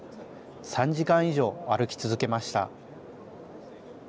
３時間以上、歩き続けました。